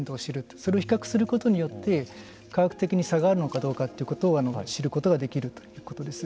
それを比較することによって科学的に差があるのかどうかということを知ることができるということです。